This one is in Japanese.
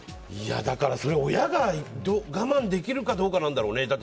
だから親が我慢できるかどうかなんだろうね。